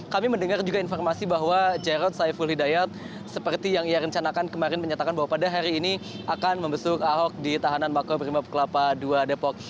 kami mendengar juga informasi bahwa jarod saiful hidayat seperti yang ia rencanakan kemarin menyatakan bahwa pada hari ini akan membesuk ahok di tahanan mako brimob kelapa dua depok